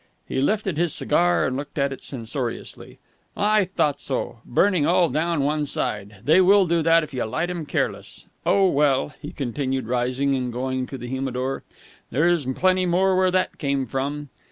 He lifted his cigar and looked at it censoriously. "I thought so! Burning all down one side. They will do that if you light 'em careless. Oh, well," he continued, rising and going to the humidor, "there's plenty more where that came from.